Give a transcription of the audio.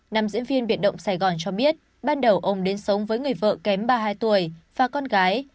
nam diễn viên biệt động sài gòn cho biết ban đầu ông đến sống với người vợ kém ba mươi hai tuổi và con gái